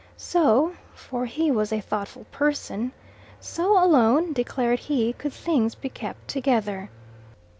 So for he was a thoughtful person so alone, declared he, could things be kept together.